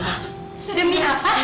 hah demi apa